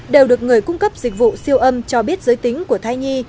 đều được người cung cấp dịch vụ siêu âm cho biết giới tính của thai nhi